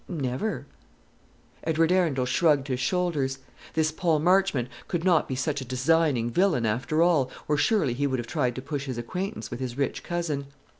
"Never." Edward Arundel shrugged his shoulders. This Paul Marchmont could not be such a designing villain, after all, or surely he would have tried to push his acquaintance with his rich cousin!